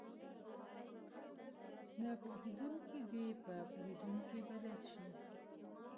نه پوهېدونکي دې په پوهېدونکي بدل شي.